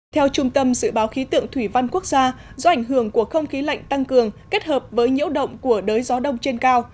theo trung tâm dự báo khí tượng thủy văn quốc gia do ảnh hưởng của không khí lạnh tăng cường kết hợp với nhiễu động của đới gió đông trên cao